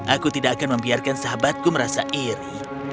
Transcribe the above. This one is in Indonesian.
aku tidak akan membiarkan sahabatku merasa iri